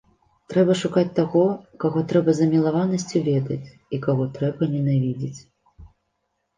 Трэба шукаць таго, каго трэба з замілаванасцю ведаць і каго трэба ненавідзець.